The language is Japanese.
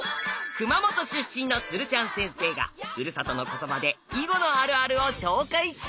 熊本出身の鶴ちゃん先生がふるさとの言葉で囲碁のあるあるを紹介します。